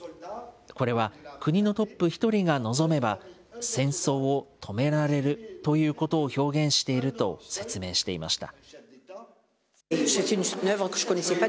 これは、国のトップ１人が望めば、戦争を止められるということを表現していると説明していました。